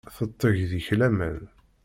Tetteg deg-k laman.